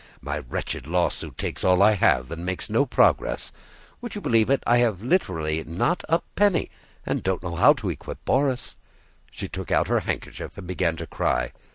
"My wretched lawsuit takes all I have and makes no progress. Would you believe it, I have literally not a penny and don't know how to equip Borís." She took out her handkerchief and began to cry.